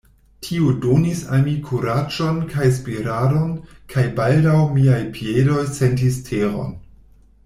Tio donis al mi kuraĝon kaj spiradon, kaj baldaŭ miaj piedoj sentis teron.